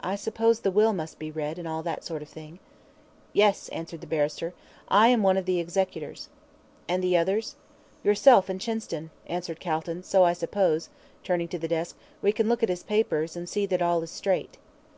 "I suppose the will must be read, and all that sort of thing." "Yes," answered the barrister, "I am one of the executors." "And the others?" "Yourself and Chinston," answered Calton; "so I suppose," turning to the desk, "we can look at his papers, and see that all is straight."